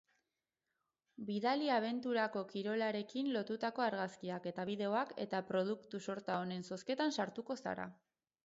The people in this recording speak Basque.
Bidali abenturako kirolarekin lotutako argazkiak eta bideoak eta produktu-sorta honen zozketan sartuko zara.